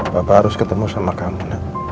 bapak harus ketemu sama kamu nak